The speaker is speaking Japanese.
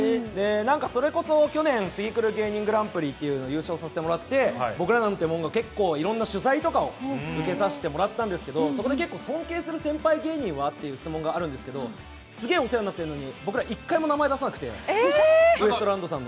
それこそ去年、ツギクル芸人グランプリに優勝させてもらって僕らなんて者が結構いろんな取材を受けさせてもらったんですけど、そこで結構、尊敬する先輩芸人は？という質問が質問があるんですけど、すげえお世話になってるのに、僕ら、１回も名前出さなくて、ウエストランドさんの。